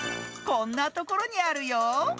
こんなところにあるよ。